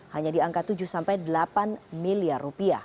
hanya di angka rp tujuh delapan miliar